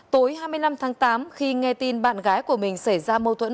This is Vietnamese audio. tối hai mươi năm tháng tám khi nghe tin bạn gái của mình xảy ra mâu thuẫn